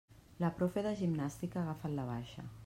La profe de gimnàstica ha agafat la baixa.